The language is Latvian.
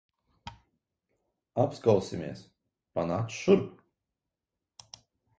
Apskausimies. Panāc šurp.